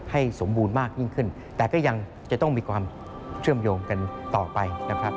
ให้สมบูรณ์มากยิ่งขึ้นแต่ก็ยังจะต้องมีความเชื่อมโยงกันต่อไปนะครับ